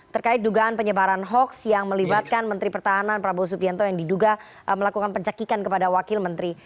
terkait dugaan penyebaran hoax yang melibatkan menteri pertahanan prabowo subianto yang diduga melakukan pencakikan kepada wakil menteri